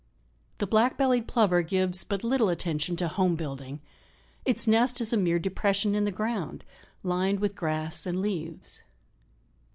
The Black bellied Plover gives but little attention to home building. Its nest is a mere depression in the ground lined with grass and leaves.